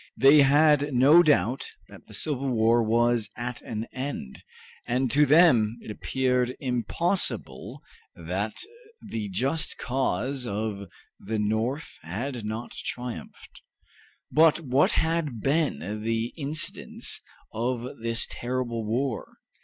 They had no doubt that the civil war was at an end, and to them it appeared impossible that the just cause of the North had not triumphed. But what had been the incidents of this terrible war?